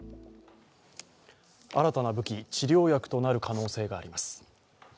新たな武器、治療薬となる可能性があります。